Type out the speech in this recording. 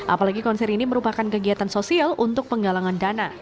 apalagi konser ini merupakan kegiatan sosial untuk penggalangan dana